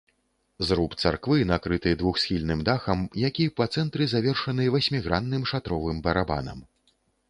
Зруб царквы накрыты двухсхільным дахам, які па цэнтры завершаны васьмігранным шатровым барабанам.